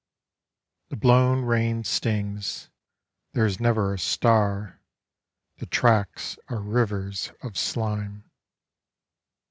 The blown rain stings, there is never a star, the tracks are rivers of slime.